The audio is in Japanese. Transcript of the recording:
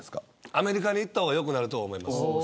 アメリカに行った方が良くなると思います。